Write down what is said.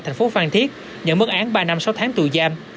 thành phố phan thiết nhận mức án ba năm sáu tháng tù giam